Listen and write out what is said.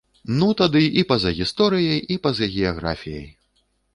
Ну тады і па-за гісторыяй, і па-за геаграфіяй!